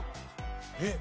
えっ？